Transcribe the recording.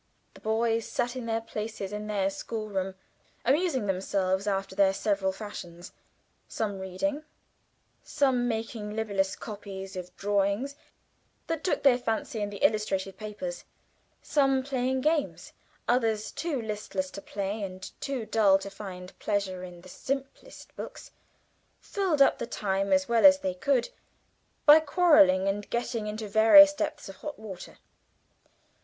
The boys sat in their places in their schoolroom, amusing themselves after their several fashions some reading, some making libellous copies of drawings that took their fancy in the illustrated papers, some playing games; others, too listless to play and too dull to find pleasure in the simplest books, filled up the time as well as they could by quarrelling and getting into various depths of hot water.